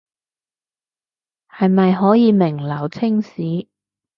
是咪可以名留青史了